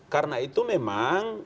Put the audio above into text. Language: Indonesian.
karena itu memang